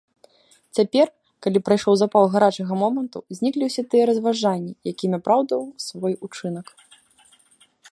Цяпер, калі прайшоў запал гарачага моманту, зніклі ўсе тыя разважанні, якімі апраўдваў свой учынак.